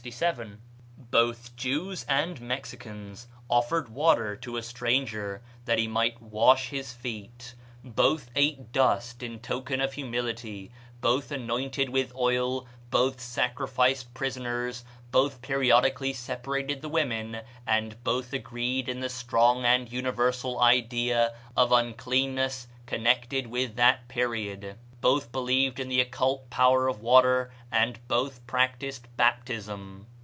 Both Jews and Mexicans offered water to a stranger that he might wash his feet; both ate dust in token of humility; both anointed with oil; both sacrificed prisoners; both periodically separated the women, and both agreed in the strong and universal idea of uncleanness connected with that period. Both believed in the occult power of water, and both practised baptism.